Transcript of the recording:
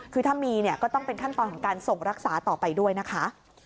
คือถ้ามีเนี่ยก็ต้องเป็นขั้นตอนของการส่งรักษาต่อไปด้วยนะคะ